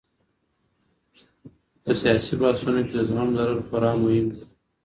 په سياسي بحثونو کي د زغم لرل خورا مهم دي.